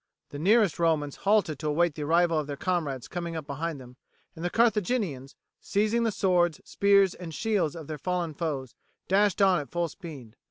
The nearest Romans halted to await the arrival of their comrades coming up behind them, and the Carthaginians, seizing the swords, spears, and shields of their fallen foes, dashed on at full speed.